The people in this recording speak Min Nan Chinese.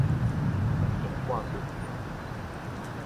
目鏡掛規爿